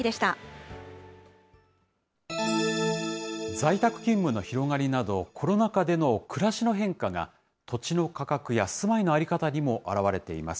在宅勤務の広がりなど、コロナ禍での暮らしの変化が、土地の価格や住まいの在り方にも表れています。